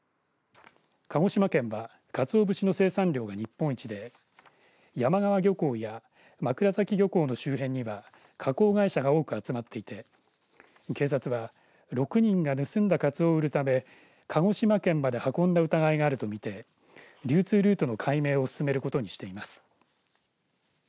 鹿児島県はかつお節の生産量が日本一で山川漁港や枕崎漁港の周辺には加工会社が多く集まっていて警察は６人が盗んだカツオを売るため鹿児島県まで運んだ疑いがあると見て流通ルートの解明を進めることにしています。